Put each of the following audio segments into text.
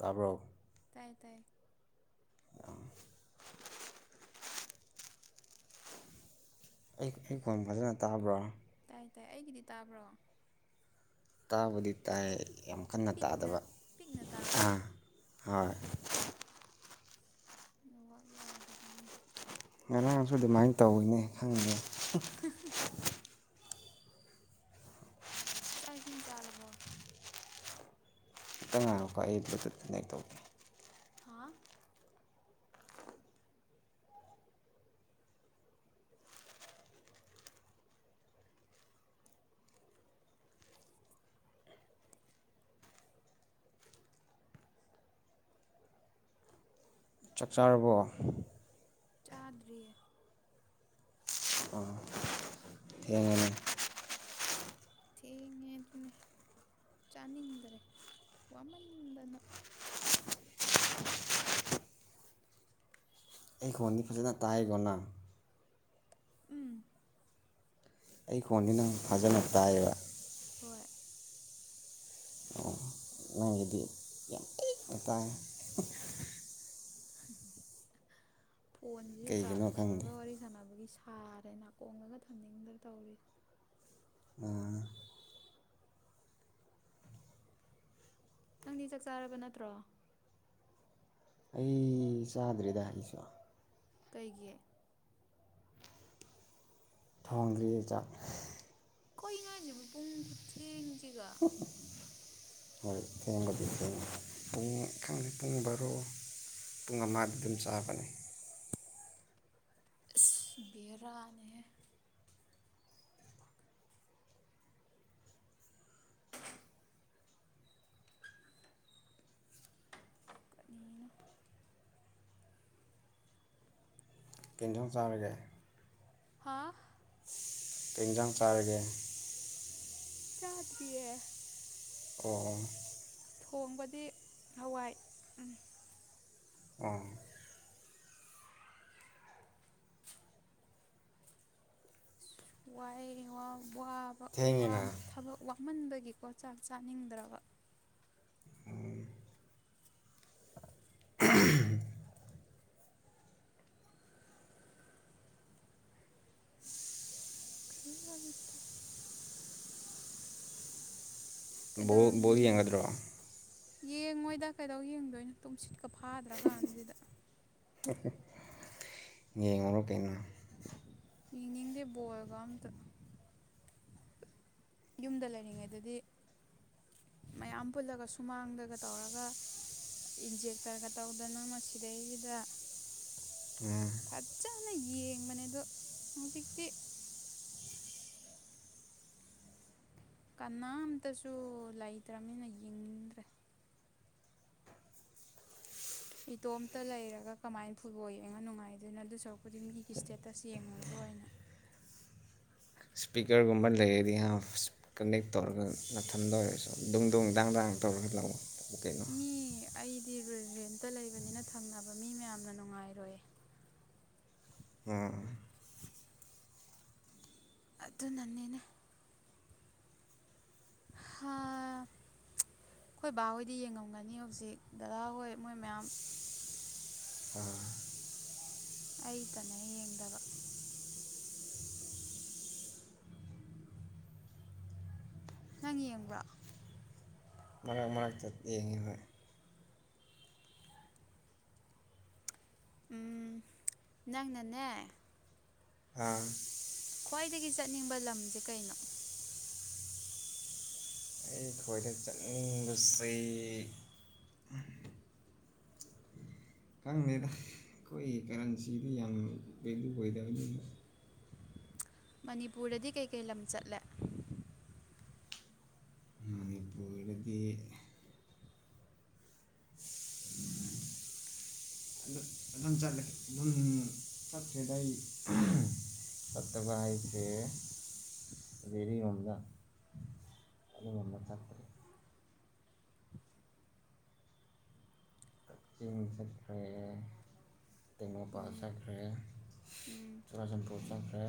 ꯇꯥꯕ꯭ꯔꯣ ꯇꯥꯏ ꯇꯥꯏ ꯑꯩ ꯑꯩ ꯈꫭꯟ ꯐꯖꯅ ꯇꯥꯕ꯭ꯔꫭ ꯇꯥꯏ ꯇꯥꯏ ꯑꯩꯒꯤꯗꯤ ꯇꯥꯕ꯭ꯔꯣ ꯇꯥꯕꯨꯗꯤ ꯇꯥꯏ ꯌꯥꯝ ꯀꯟꯅ ꯄꯤꯛꯅ ꯇꯥꯗꯕ ꯄꯤꯛꯅ ꯇꯥꯕ꯭ꯔꯥ ꯑꯥ ꯍꯣꯏ ꯅ°ꯠꯋꯥꯛ ꯌꯥꯗꯕꯒꯤꯅꯤ ꯉꯔꯥꯡꯁꯨ ꯑꯗꯨꯃꯥꯏꯅ ꯇꯧꯋꯤꯅꯦ ꯈꯪ [inaudible] [inaudible] ꯆꯥꯛ ꯏꯁꯤꯡ ꯆꯥꯔꯕꯣ ꯑꯃꯇꯥ ꯉꯥꯏꯉꯛꯀꯣ ꯑꯩ ꯕ꯭ꯂꯨꯇꯨꯠ ꯀꯗꯦꯛ ꯇꯧꯒꯦ ꯍꯥꯥ ꯆꯥꯛ ꯆꯥꯔꯕꯣ ꯆꯥꯗꯔꯤꯌꯦ [inaudible] ꯊ°ꯡꯉ°ꯅ° [inaudible] ꯊꯦꯡꯉꯦ ꯑꯗꯨꯅꯦ ꯆꯥꯅꯤꯡꯗꯔꯦ ꯋꯥꯃꯟꯗꯅꯥ [inaudible] ꯑꯦ ꯈꫭꯟꯗꯤ ꯐꯖꯅꯥ ꯇꯥꯏ ꯀꫭ ꯅꯪ ꯎꯝ ꯑꯩ ꯈꯣꯟꯗꯤ ꯅꯪ ꯐꯖꯅ ꯇꯥꯏꯌꯦꯕ ꯍꯣꯏ ꯅꯪꯒꯤꯗꯤ ꯌꯥꯝ ꯄꯤꯛꯅ ꯇꯥꯏ ꯐꯣꯟꯁꯤꯁꯨ ꯀꯩꯒꯤꯅꯣ ꯆꯥꯔꯖ ꯈꯪꯗꯦ ꯇꯧꯔꯒ ꯋꯥꯔꯤ ꯁꯥꯟꯅꯕꯒꯤ ꯁꯥꯔꯦ ꯅꯥꯀꯣꯡꯡꯂꯒ ꯊꯝꯅꯤꯡꯗ꯭ꯔ ꯇꯧꯔꯤꯁꯦ ꯎꯝ ꯅꯪꯗꯤ ꯆꯥꯛ ꯆꯥꯔꯕ ꯅꯠꯇ꯭ꯔꯣ ꯑꯩ ꯑꯩ ꯆꯥꯗꯔꯤꯗ ꯑꯩꯁꯨ ꯀꯩꯒꯤ ꯊꯣꯡꯗ꯭ꯔꯤꯌ° ꯆꯥꯛ ꯀꯩꯅꫭ ꯍꯥꯏꯁꯤꯕꯨ ꯄꯨꯡ ꯈꯨꯊꯦꯡꯁꯤꯒ ꯍꫭꯏ ꯊ°ꯡꯕꯨꯗꯤ ꯊ°ꯡꯉ° ꯄꯨꯡ ꯈꯪꯗꯦ ꯄꯨꯡ ꯚꯥꯔꫭ ꯄꯨꯡ ꯑꯃꯗ ꯑꯗꯨꯝ ꯆꯥꯕꯅꯤ ꯕꯔꯥꯅ° ꯍ° ꯀꯠꯅꯤꯅ‌ꯣ ꯀꯦꯟꯖꯣꯡ ꯆꯥꯔꯒꯦ ꯍꯥꯥ [unintelligible] ꯀꯩ ꯏꯟꯖꯥꯡ ꯆꯥꯔꯒꯦ [unintelligible] ꯆꯥꯗ꯭ꯔꯤꯌ‌ꯦ ꯀ‌ꯣꯑꯣꯡ ꯊꯣꯡꯕꯗꯤ ꯍꯋꯥꯏ ꯎꯝ ꯑꯣ ꯋꯥꯏꯌꯦ ꯋꯥꯡ ꯋꯥꯕ ꯊꯦꯡꯉꯤꯅ ꯋꯥꯝ‌ ꯊꯕꯛ ꯋꯥꯃꯟꯕꯒꯤꯀ‌ꯣ ꯆꯥꯛ ꯆꯥꯅꯤꯡꯗ꯭ꯔꯕ [unintelligible] [unintelligible] [unintelligible] [unintelligible] ꯕ‌ꯣꯜ ꯕꯣꯜ ꯀꯩꯗꯧꯔꯝꯃꯤꯅꯣ ꯌꯦꯡꯒꯗ꯭ꯔꯣ ꯌꯦꯡꯉꯣꯏꯗ ꯀꯩꯗꯧ ꯌꯦꯡꯗꯣꯏꯅꯣ ꯇꯨꯝꯁꯤꯠꯀ ꯐꯥꯗ꯭ꯔꯀꯥꯟꯖꯤꯗ ꯌꯦꯉꯨꯔ‌ꯣ ꯀꯩꯅ‌ꯣ ꯌꯦꯡꯅꯤꯡꯗꯦ ꯕꯣꯜꯒ ꯑꯝꯇ ꯌꯨꯝꯗ ꯂꯩꯔꯤꯉꯩꯗꯗꯤ ꯃꯌꯥꯝ ꯄꯨꯜꯂꯒ ꯁꯨꯃꯥꯡꯗꯒ ꯇꯧꯔꯒ ꯏꯟꯖꯦꯛꯇ꯭ꯔꯒ ꯇꯧꯗꯅ ꯃꯁꯤꯗꯩꯖꯤꯗ ꯎꯝ ꯐꯖꯅ ꯌꯦꯡꯕꯅꯦ ꯑꯗꯣ ꯍꯧꯖꯤꯛꯇꯤ ꯀꯅꯥꯝꯇꯁꯨ ꯂꯩꯇ꯭ꯔꯝꯅꯤꯅ ꯌꯦꯡꯅꯤꯡꯗ꯭ꯔꯦ ꯏꯇꯣꯝꯇ ꯂꯩꯔꯒ ꯀꯃꯥꯏꯟ ꯐꯨꯠꯕꯣꯜ ꯌꯦꯡꯉ ꯅꯨꯡꯉꯥꯏꯗꯣꯏꯅꯣ ꯑꯗꯨ ꯁꯔꯨꯛꯄꯨꯗꯤ ꯃꯤꯒꯤ ꯏꯁꯇꯦꯇꯁ ꯌꯦꯡꯉꯒ ꯑꯣꯏꯅ ꯏꯁ꯭ꯄꯤꯀ꯭ꯔꯒꯨꯝꯕ ꯂꯩꯔꯗꯤ ꯍꯥꯝ ꯀꯅꯦꯛ ꯇꯧꯔꯒ ꯅꯊꯟꯗ ꯑꯣꯏꯔꯁꯨ ꯗꯨꯡ ꯗꯨꯡ ꯗꯥꯡ ꯗꯥꯡ ꯇꯧꯔꯒ ꯂꯥꯛꯑꯣ [unintelligible] ꯀꯩꯅꯣ ꯃꯤ ꯑꯩꯗꯤ ꯔ ꯔꯦꯟꯇ ꯂꯩꯕꯅꯤꯅ ꯊꯪꯅꯕ ꯃꯤ ꯃꯌꯥꯝꯅ ꯅꯨꯡꯉꯥꯏꯔꯣꯏ ꯑꯣ ꯑꯗꯨꯅꯅꯤꯅꯦ ꯍꯥꯥ ꯑꯈ‌ꯣꯏ ꯕꯥꯍꯣꯏꯗꯤ ꯌꯦꯡꯉꯝꯒꯅꯤ ꯍꯧꯖꯤꯛ ꯗꯗꯥꯍꯣꯏ ꯃꯣꯏ ꯃꯌꯥꯝ [unintelligible] ꯑꯥ [unintelligible] ꯑꯩꯇꯅ‌ꯦ ꯌꯦꯡꯗꯕ [unintelligible] ꯅꯪ ꯌꯦꯡꯕ꯭ꯔ‌ꯣ ꯃꯔꯛ ꯃꯔꯛꯇ ꯌꯦꯡꯉ‌ꯦ ꯍ‌ꯣꯏ ꯎꯝ ꯅꯪꯅꯅꯦ ꯑꯥ [unintelligible] ꯈ꯭ꯋꯥꯏꯗꯒꯤ ꯆꯠꯅꯤꯡꯕ ꯂꯝꯖꯦ ꯀꯩꯅꯣ [unintelligible] ꯑꯩ ꯈ꯭ꯋꯥꯏꯗꯩ ꯆꯠꯅꯤꯡꯕꯕꯁꯤ ꯈꯪꯗꯦꯗ ꯑꯩꯈꯣꯏꯒꯤ ꯀꯔꯦꯟꯁꯤꯗꯤ ꯌꯥꯝꯅ ꯚꯦꯂꯨ ꯑꯣꯏꯗꯕꯅꯤꯅ ꯃꯅꯤꯄꯨꯔꯗꯗꯤ ꯀꯩꯀꯩ ꯂꯝ ꯆꯠꯂꯦ ꯃꯅꯤꯄꯨꯔꯗꯗꯤ [unintelligible] ꯑꯗꯨ ꯑꯗꯨꯝ ꯆꯠ ꯑꯗꯨꯝ ꯆꯠꯂꯦ ꯐꯠꯇꯦꯗ ꯑꯩ ꯆꯠꯇꯕ ꯍꯥꯏꯁꯦ [unintelligible] ꯆꯤꯡ ꯆꯠꯈ꯭ꯔꯦ ꯇꯦꯡꯉꯧꯄꯜ ꯎꯝ ꯆꯠꯈ꯭ꯔꯦ ꯎꯝ ꯆꯨꯔꯥꯆꯥꯟꯄꯨꯔ ꯆꯠꯈ꯭ꯔꯦ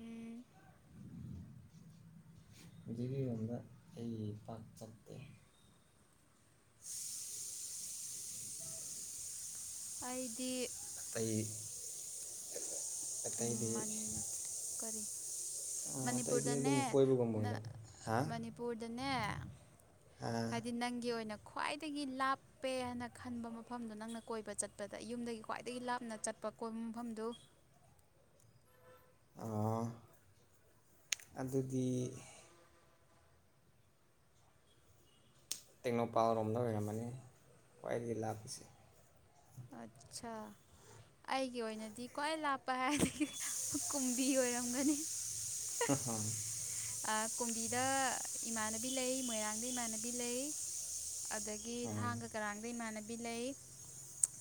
ꯎꯝ [inaudible] ꯍꯧꯖꯤꯛꯇꯤ ꯌꯨꯝꯗ ꯑꯩ ꯄꯥꯛ ꯆꯠꯇꯦ [unintelligible] [inaudible] ꯑꯩꯗꯤ ꯑꯇꯩ [unintelligible] ꯎꯝ ꯃꯟ ꯀꯔꯤ ꯑꯇꯩꯗꯤ ꯃꯅꯤꯄꯨꯔꯗꯅꯦ ꯑꯗꯨꯝ ꯀꯣꯏꯕꯒꯨꯝꯕ ꯑꯣꯏꯅ ꯑꯥ ꯍꯥ ꯃꯅꯤꯄꯨꯔꯗꯅꯦ ꯑꯥ ꯍꯥꯏꯗꯤ ꯅꯪꯒꯤ ꯑꯣꯏꯅ ꯈ꯭ꯋꯥꯏꯗꯒꯤ ꯂꯥꯞ ꯄꯦ ꯍꯥꯏꯅ ꯈꯟꯕ ꯃꯐꯝꯗꯨꯣ ꯅꯪꯅ ꯀꯣꯏꯕ ꯆꯠꯄꯗ ꯌꯨꯝꯗꯒꯤ ꯈ꯭ꯋꯥꯏꯗꯒꯤ ꯂꯥꯞꯅ ꯆꯠꯄ ꯀꯣꯏꯕ ꯃꯐꯝꯗꯨ ꯑꯥ ꯑꯗꯨꯗꯤ ꯇꯦꯡꯅꯧꯄꯜ ꯔꯣꯝꯗ ꯑꯣꯏꯔꯝꯃꯅꯤ ꯈ꯭ꯋꯥꯏꯗꯒꯤ ꯂꯥꯞꯄꯁꯦ ꯑꯠꯁꯥ ꯑꯩꯒꯤ ꯑꯣꯏꯅꯗꯤ ꯈ꯭ꯋꯥꯏ ꯂꯥꯞꯄ ꯍꯥꯏꯔꯗꯤ ꯀꯨꯝꯕꯤ ꯑꯣꯏꯔꯝꯒꯅꯤ [unintelligible] ꯑꯥ ꯀꯨꯝꯕꯤꯗ ꯏꯃꯥꯟꯅꯕꯤ ꯂꯩ ꯃꯣꯏꯔꯥꯡꯗ ꯏꯃꯥꯟꯅꯕꯤ ꯂꯩ ꯑꯗꯒꯤ ꯎꯝ ꯊꯥꯡꯒ ꯀꯔꯥꯡꯗ ꯏꯃꯥꯟꯅꯕꯤ ꯂꯩ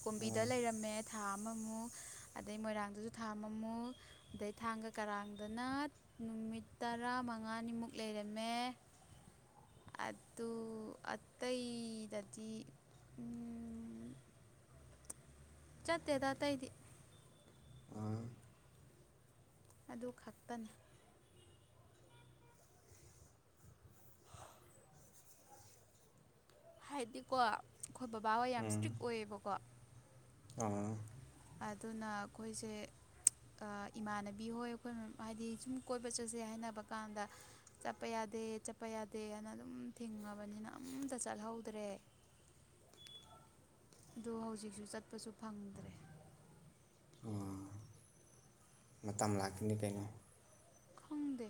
ꯀꯣꯝꯕꯤꯗ ꯂꯩꯔꯝꯃꯦ ꯊꯥ ꯑꯃꯃꯨꯛ ꯑꯗꯩ ꯃꯣꯏꯔꯥꯡꯗꯁꯨ ꯊꯥ ꯑꯃꯃꯨꯛ ꯑꯗꯩ ꯊꯥꯡꯒ ꯀꯔꯥꯡꯗꯅ ꯅꯨꯃꯤꯠ ꯇꯔꯥꯃꯉꯥꯅꯤꯃꯨꯛ ꯂꯩꯔꯝꯃꯦ ꯑꯗꯨ ꯑꯠꯇꯩꯗꯗꯤ ꯎꯝ ꯆꯠꯇꯦꯗ ꯑꯇꯩꯗꯤ ꯑꯥ ꯑꯗꯨ ꯈꯛꯇꯅꯤ ꯍꯥꯏꯗꯤꯀꯣ ꯑꯩꯈꯣꯏ ꯕꯕꯥ ꯍꯣꯏ ꯌꯥꯝ ꯏꯁꯇ꯭ꯔꯤꯛ ꯑꯣꯏꯌꯦꯕꯀꯣ ꯑꯥ ꯑꯗꯨꯅ ꯑꯩꯈꯣꯏꯁꯦ ꯑꯥ ꯏꯃꯥꯟꯅꯕꯤ ꯍꯣꯏ ꯑꯩꯈꯣꯏ ꯍꯥꯏꯗꯤ ꯁꯨꯝ ꯀꯣꯏꯕ ꯆꯠꯁꯦ ꯍꯥꯏꯅꯕ ꯀꯥꯟꯗ ꯆꯠꯄ ꯌꯥꯗꯦ ꯆꯠꯄ ꯌꯥꯗꯦꯅ ꯑꯗꯨꯝ ꯊꯤꯡꯉꯕꯅꯤꯅ ꯑꯝꯇ ꯆꯠꯍꯧꯗ꯭ꯔꯦ ꯑꯗꯨ ꯍꯧꯖꯤꯛꯁꯨ ꯆꯠꯄꯁꯨ ꯐꯪꯗ꯭ꯔꯦ ꯑꯣ ꯃꯇꯝ ꯂꯥꯛꯈꯤꯅꯤ ꯀꯩꯅꯣ ꯈꯪꯗꯦ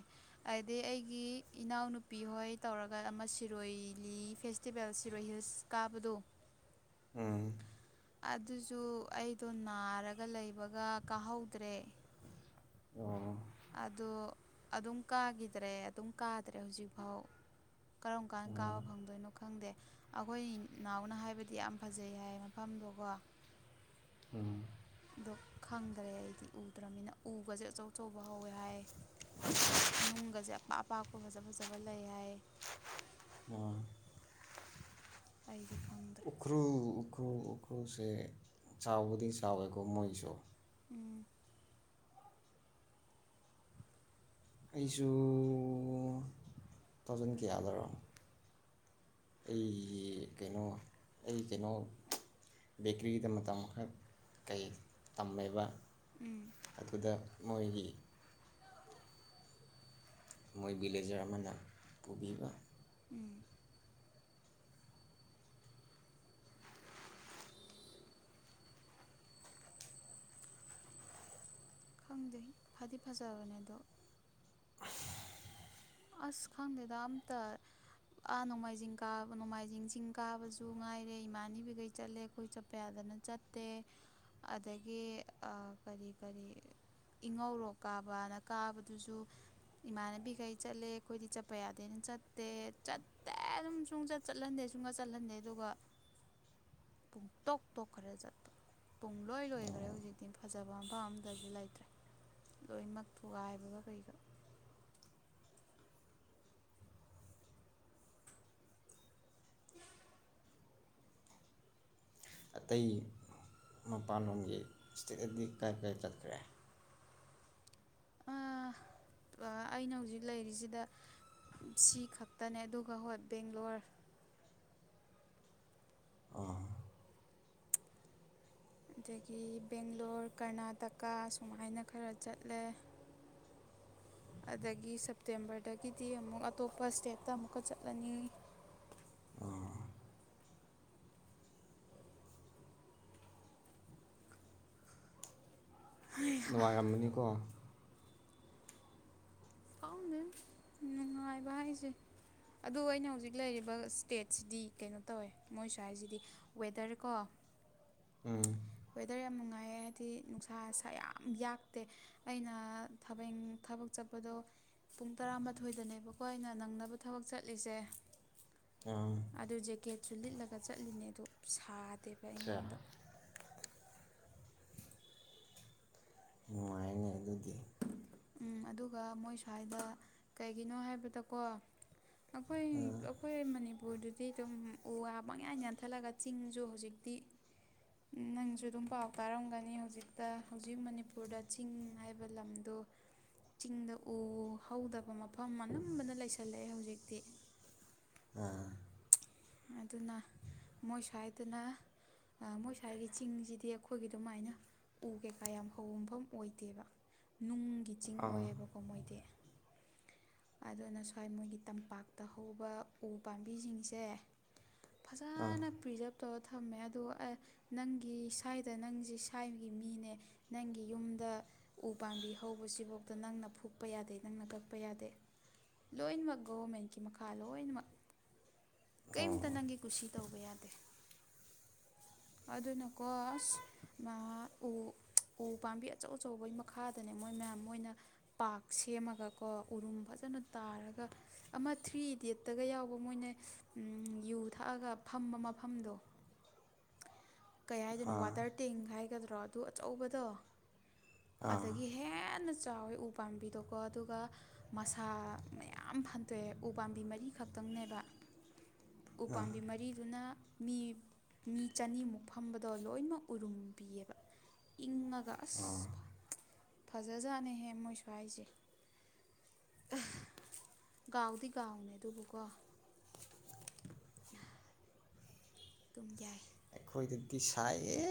ꯑꯗꯩ ꯑꯩꯒꯤ ꯏꯅꯥꯎꯅꯨꯄꯤ ꯍꯣꯏ ꯇꯧꯔꯒ ꯑꯃ ꯁꯤꯔꯣꯏ ꯂꯤꯂꯤ ꯐꯦꯁꯇꯤꯚꯦꯜ ꯁꯤꯔꯣꯏ ꯍꯤꯜꯁ ꯀꯥꯕꯗꯣ ꯎꯝ ꯑꯗꯨꯁꯨ ꯑꯩꯗꯣ ꯅꯥꯔꯒ ꯂꯩꯕꯒ ꯀꯥꯍꯧꯗ꯭ꯔꯦ ꯑꯣ ꯑꯗꯣ ꯑꯗꯨꯝ ꯀꯥꯈꯤꯗ꯭ꯔꯦ ꯑꯗꯨꯝ ꯀꯥꯗ꯭ꯔꯦ ꯍꯧꯖꯤꯛꯐꯥꯎ ꯀꯔꯝ ꯀꯥꯟ ꯀꯥꯕ ꯐꯪꯗꯣꯏꯅꯣ ꯈꯪꯗꯦ ꯑꯩꯈꯣꯏ ꯅꯥꯎꯕꯅ ꯍꯥꯏꯕꯗꯤ ꯌꯥꯝ ꯐꯖꯩ ꯍꯥꯏ ꯃꯐꯝꯗꯣꯀꯣ ꯎꯝ ꯑꯗꯣ ꯈꯪꯗ꯭ꯔꯦ ꯑꯩꯗꯤ ꯎꯗ꯭ꯔꯕꯅꯤꯅ ꯎꯒꯁꯦ ꯑꯆꯧ ꯑꯆꯧꯕ ꯍꯧꯋꯦ ꯍꯥꯏ ꯅꯨꯡꯒꯁꯦ ꯑꯄꯥꯛ ꯑꯄꯥꯛꯄ ꯐꯖ ꯐꯖꯕ ꯂꯩ ꯍꯥꯏ ꯑꯥ ꯑꯩꯗꯤ ꯈꯪꯗꯦ ꯎꯈ꯭ꯔꯨ ꯎꯈ꯭ꯔꯨ ꯎꯈ꯭ꯔꯨꯁꯦ ꯆꯥꯎꯕꯗꯤ ꯆꯥꯎꯋꯦꯀꯣ ꯃꯣꯏꯁꯨ ꯎꯝ ꯑꯩꯁꯨ ꯇꯨ ꯊꯧꯖꯟ ꯀꯌꯥꯗꯔꯣ ꯑꯩ ꯀꯩꯅꯣ ꯑꯩ ꯀꯩꯅꯣ ꯕꯦꯀ꯭ꯔꯤꯗ ꯃꯇꯝ ꯈꯔ ꯀꯩ ꯇꯝꯃꯦꯕ ꯎꯝ ꯑꯗꯨꯗ ꯃꯣꯏꯒꯤ ꯃꯣꯏ ꯚꯤꯂꯦꯖꯔ ꯑꯃꯅ ꯄꯨꯕꯤꯕ ꯎꯝ ꯈꯪꯗꯦ ꯐꯗꯤ ꯐꯖꯕꯅꯦ ꯑꯗꯣ ꯑꯁ ꯈꯪꯗꯦꯗ ꯑꯝꯇ ꯑꯥ ꯅꯣꯡꯃꯥꯏꯖꯤꯡ ꯀꯥꯕ ꯅꯣꯡꯃꯥꯏꯖꯤꯡ ꯆꯤꯡ ꯀꯥꯕꯁꯨ ꯉꯥꯏꯔꯦ ꯏꯃꯟꯅꯕꯤꯈꯩ ꯆꯠꯂꯦ ꯑꯩꯈꯣꯏ ꯆꯠꯄ ꯌꯥꯗꯅ ꯆꯠꯇꯦ ꯑꯗꯒꯤ ꯑꯥ ꯀꯔꯤ ꯀꯔꯤ ꯏꯉꯧꯔꯣꯛ ꯀꯥꯕꯅ ꯀꯥꯕꯗꯨꯁꯨ ꯏꯃꯥꯟꯅꯕꯤꯈꯩ ꯆꯠꯂꯦ ꯑꯩꯈꯣꯏꯗꯤ ꯆꯠꯄ ꯌꯥꯗꯦꯅ ꯆꯠꯇꯦ ꯆꯠ ꯇꯦ ꯑꯗꯨꯝ ꯁꯨꯡꯆꯠ ꯆꯠꯍꯟꯗꯦ ꯁꯨꯡꯆꯠ ꯆꯠꯍꯟꯗꯦ ꯑꯗꯨꯒ ꯄꯨꯡꯇꯣꯛ ꯇꯣꯈꯔ꯭ꯦ ꯆꯠꯄ ꯄꯨꯡ ꯂꯣꯏ ꯂꯣꯏꯈ꯭ꯔꯦ ꯍꯧꯖꯤꯛꯇꯤ ꯐꯖꯕ ꯃꯐꯝ ꯑꯝꯇꯁꯨ ꯂꯩꯇ꯭ꯔꯦ ꯂꯣꯏꯃꯛ ꯊꯨꯒꯥꯏꯕꯒ ꯀꯩꯒ ꯑꯇꯩ ꯃꯄꯥꯟꯂꯣꯝꯒꯤ ꯏꯁꯇꯦꯠꯗꯤ ꯀꯥꯏ ꯀꯥꯏ ꯆꯠꯈ꯭ꯔꯦ [inaudible] ꯑꯩꯅ ꯍꯧꯖꯤꯛ ꯂꯩꯔꯤꯁꯤꯗ ꯁꯤ ꯈꯛꯇꯅꯦ ꯑꯗꯨꯒ ꯍꯣꯏ ꯕꯦꯡꯒ꯭ꯂꯣꯔ ꯑꯗꯒꯤ ꯕꯦꯡꯒ꯭ꯂꯣꯔ ꯀꯔꯅꯥꯇꯀꯥ ꯁꯨꯃꯥꯏꯅ ꯈꯔ ꯆꯠꯂꯦ ꯑꯗꯒꯤ ꯁꯦꯞꯇꯦꯝꯕꯔꯗꯒꯤꯗꯤ ꯑꯃꯨꯛ ꯑꯇꯣꯞꯄ ꯁ꯭ꯇꯦꯠꯇ ꯑꯃꯨꯛꯀ ꯆꯠꯂꯅꯤ ꯅꯨꯡꯉꯥꯏꯔꯝꯃꯅꯤꯀꯣ ꯈꯪꯗꯦ [unintelligible] [inaudible] ꯅꯨꯡꯉꯥꯏꯕ ꯍꯥꯏꯁꯦ ꯑꯗꯨ ꯑꯩꯅ ꯍꯧꯖꯤꯛ ꯂꯩꯔꯤꯕ ꯏꯁꯇꯦꯠꯁꯤꯗꯤ ꯀꯩꯅꯣ ꯇꯧꯋꯦ ꯃꯣꯏ ꯁ꯭ꯋꯥ ꯁꯤꯗꯤ ꯋꯦꯗꯔ ꯀꯣ ꯎꯝ ꯋꯦꯗꯔ ꯌꯥꯝ ꯅꯨꯡꯉꯥꯏꯌꯦ ꯍꯥꯏꯗꯤ ꯅꯨꯡꯁꯥꯁꯦ ꯌꯥꯝ ꯌꯥꯛꯇꯦ ꯑꯩꯅ ꯊꯕ ꯊꯕꯛ ꯆꯠꯄꯗꯣ ꯄꯨꯡ ꯇꯔꯥꯃꯥꯊꯣꯏꯗꯅꯦꯕꯀꯣ ꯑꯩꯅ ꯅꯪꯅꯕ ꯊꯕꯛ ꯆꯠꯂꯤꯁꯦ ꯑ ꯑꯗꯨ ꯖꯦꯀꯦꯠꯁꯨ ꯂꯤꯠꯂꯒ ꯆꯠꯂꯤꯅꯦ ꯑꯗꯨ ꯁꯥꯗꯦꯕ ꯑꯠꯆꯥ ꯑꯩꯉꯣꯟꯗ ꯅꯨꯡꯉꯥꯏꯅꯤ ꯑꯗꯨꯗꯤ ꯎꯝ ꯑꯗꯨꯒ ꯃꯣꯏ ꯁ꯭ꯋꯥꯏꯗ ꯀꯩꯒꯤꯅꯣ ꯍꯥꯏꯕꯗꯀꯣ ꯑꯩꯈꯣꯏ ꯎꯝ ꯑꯩꯈꯣꯏ ꯃꯅꯤꯄꯨꯔꯗꯨꯗꯤ ꯑꯗꯨꯝ ꯎ ꯋꯥ ꯄꯪꯌꯥꯜ ꯌꯥꯟꯊꯠꯂꯒ ꯆꯤꯡꯁꯨ ꯍꯧꯖꯤꯛꯇꯤ ꯅꯪꯁꯨ ꯑꯗꯨꯝ ꯄꯥꯎ ꯇꯥꯔꯝꯒꯅꯤ ꯍꯧꯖꯤꯛꯇ ꯍꯧꯖꯤꯛ ꯃꯅꯤꯄꯨꯔꯗ ꯆꯤꯡ ꯍꯥꯏꯕ ꯂꯝꯗꯣ ꯆꯤꯡꯗ ꯎ ꯍꯧꯗꯕ ꯃꯐꯝ ꯑꯅꯝꯕꯅ ꯂꯩꯁꯜꯂꯛꯑꯦ ꯍꯧꯖꯤꯛꯇꯤ ꯑꯥ ꯑꯗꯨꯅ ꯃꯣꯏ ꯁ꯭ꯋꯥꯏꯗꯅ ꯃꯣꯏ ꯁ꯭ꯋꯥꯏꯒꯤ ꯆꯤꯡꯁꯤꯗꯤ ꯑꯩꯈꯣꯏꯒꯤ ꯑꯗꯨꯃꯥꯏꯅ ꯎ ꯀꯩꯀꯥ ꯌꯥꯝ ꯍꯧꯕ ꯃꯐꯝ ꯑꯣꯏꯗꯦꯕ ꯅꯨꯡꯒꯤ ꯆꯤꯡ ꯑꯣꯏꯑꯦꯕꯀꯣ ꯃꯣꯏꯗꯤ ꯑꯗꯨꯅ ꯁ꯭ꯋꯥꯏ ꯃꯣꯏꯒꯤ ꯇꯝꯄꯥꯛꯇ ꯍꯧꯕ ꯎ ꯄꯥꯝꯕꯤꯁꯤꯡꯁꯦ ꯐꯖꯅ ꯑꯥ ꯄ꯭ꯔꯤꯖꯥꯞ ꯇꯧꯔ ꯊꯝꯃꯦ ꯑꯗꯨꯒ ꯑꯦ ꯅꯪꯒꯤ ꯁ꯭ꯋꯥꯏꯗ ꯅꯪꯁꯦ ꯁ꯭ꯋꯥꯏꯒꯤ ꯃꯤꯅꯦ ꯅꯪꯒꯤ ꯌꯨꯝꯗ ꯎ ꯄꯥꯝꯕꯤ ꯍꯧꯕꯁꯤꯐꯧꯗ ꯅꯪꯅ ꯐꯨꯨꯞꯄ ꯌꯥꯗꯦ ꯅꯪꯅ ꯀꯛꯄ ꯌꯥꯗꯦ ꯂꯣꯏꯅꯃꯛ ꯒꯣꯚꯔꯃꯦꯟꯀꯤ ꯃꯈꯥ ꯂꯣꯏꯅꯃꯛ ꯀꯩꯝꯇ ꯑꯣ ꯅꯪꯒꯤ ꯀꯨꯁꯤ ꯇꯧꯕ ꯌꯥꯗꯦ [inaudible] ꯑꯗꯨꯅ ꯀꯣ ꯑꯁ ꯃꯥ ꯎ ꯎ ꯄꯥꯝꯕꯤ ꯑꯆꯧ ꯑꯆꯧꯕꯒꯤ ꯃꯈꯥꯗꯅꯦ ꯃꯣꯏ ꯃꯌꯥꯝ ꯃꯣꯏꯅ ꯄꯥꯛ ꯁꯦꯝꯃꯒꯀꯣ ꯎꯔꯨꯝ ꯐꯖꯅ ꯇꯥꯔꯒ ꯑꯃ ꯊ꯭ꯔꯤ ꯏꯗꯤꯦꯠꯇꯒ ꯌꯥꯎꯕ ꯃꯣꯏꯅ ꯌꯨ ꯊꯛꯑꯒ ꯐꯝꯕ ꯃꯐꯝꯗꯣ ꯀꯩ ꯍꯥꯏꯗꯣꯏꯅꯣ ꯋꯥꯇꯔ ꯇꯦꯡ ꯍꯥꯏꯒꯗ꯭ꯔꯣ ꯑꯗꯨ ꯑꯆꯧꯕꯗꯣ ꯑꯥ ꯑꯗꯒꯤ ꯍꯦꯟꯅ ꯆꯥꯎꯋꯦ ꯎ ꯄꯥꯝꯕꯤꯗꯣꯀꯣ ꯑꯗꯨꯒ ꯃꯁꯥ ꯃꯌꯥꯝ ꯐꯟꯇꯣꯛꯑꯦ ꯎ ꯄꯝꯕꯤ ꯃꯔꯤꯈꯛꯇꯪꯅꯦꯕ [inaudible] ꯎꯄꯥꯝꯕꯤ ꯃꯔꯤꯗꯨꯅ ꯃꯤ ꯃꯤ ꯆꯅꯤꯃꯨꯛ ꯐꯝꯕꯗꯣ ꯂꯣꯏꯅꯃꯛ ꯎꯔꯨꯝ ꯕꯤꯌꯦꯕ ꯏꯪꯉꯒ ꯑꯁ ꯐꯖꯥꯖꯠꯅꯤꯍꯦ ꯃꯣꯏ ꯁꯨ꯭ꯋꯥꯏꯁꯤ ꯒꯥꯎꯗꯤ ꯒꯥꯎꯅꯦ ꯑꯗꯨꯕꯨꯀꯣ ꯑꯗꯨꯝ ꯌꯥꯏ ꯑꯩꯈꯣꯏꯗꯤ ꯁꯥꯏꯌꯦ